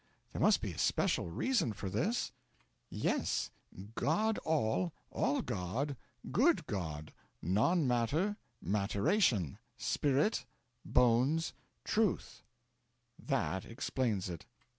There must be a special reason for this?' 'Yes God all, all God, good Good, non Matter, Matteration, Spirit, Bones, Truth.' 'That explains it.'